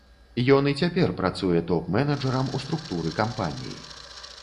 Ён і цяпер працуе топ-менеджарам у структуры кампаніі.